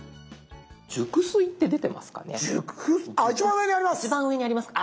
「熟睡」って出てますかね。